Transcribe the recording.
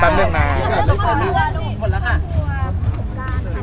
แม็กซ์ก็คือหนักที่สุดในชีวิตเลยจริง